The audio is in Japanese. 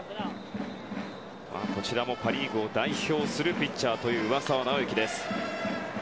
パ・リーグを代表するピッチャーという上沢直之です。